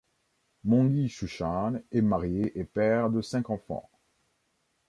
Mongi Chouchane est marié et père de cinq enfants.